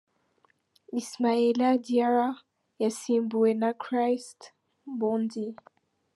Ismaila Diarra yasimbuwe wa Christ Mbondy.